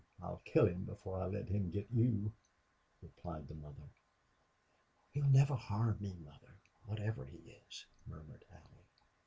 I'll kill him before I let him get you," replied the mother. "He'd never harm me, mother, whatever he is," murmured Allie.